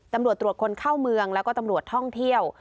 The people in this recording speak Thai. ตำรวจตรวจคนเข้าเมืองแล้วก็ตำรวจท่องเที่ยว